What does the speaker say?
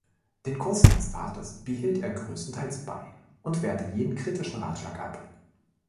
Den Kurs seines Vaters behielt er größtenteils bei und wehrte jeden kritischen Ratschlag ab.